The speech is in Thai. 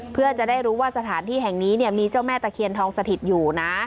เพื่อจะได้รู้ว่าสถานที่แห่งนี้มีเจ้าแม่ตะเคียนทองสถิตอยู่นะ